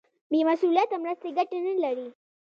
بې مسولیته مرستې ګټه نه لري.